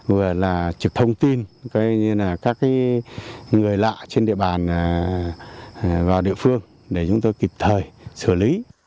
vừa là trực thông tin các người lạ trên địa bàn vào địa phương để chúng tôi kịp thời xử lý